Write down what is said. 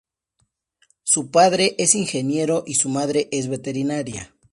Su padre es ingeniero y su madre es veterinaria.